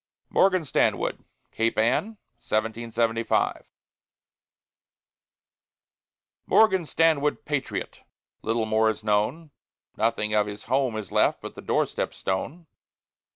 MORGAN STANWOOD CAPE ANN, 1775 Morgan Stanwood, patriot! Little more is known; Nothing of his home is left But the door step stone.